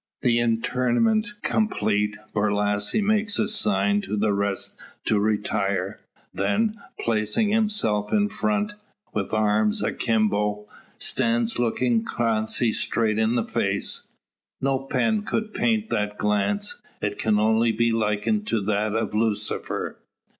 The interment complete, Borlasse makes a sign to the rest to retire; then, placing himself in front, with arms akimbo, stands looking Clancy straight in the face. No pen could paint that glance. It can only be likened to that of Lucifer.